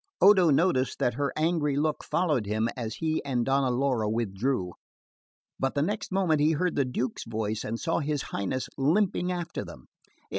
Odo noticed that her angry look followed him as he and Donna Laura withdrew; but the next moment he heard the Duke's voice and saw his Highness limping after them.